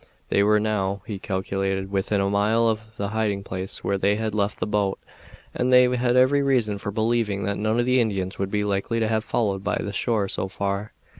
They were now, he calculated, within a mile of the hiding place where they had left the boat, and they had every reason for believing that none of the Indians would be likely to have followed the shore so far.